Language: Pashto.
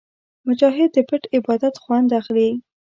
مجاهد د پټ عبادت خوند اخلي.